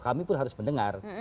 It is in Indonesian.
kami pun harus mendengar